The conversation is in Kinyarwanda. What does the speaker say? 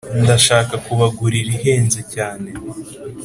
ndashaka kubagurira ihenze cyane